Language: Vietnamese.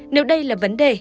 nếu đây là vấn đề